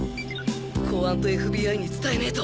公安と ＦＢＩ に伝えねえと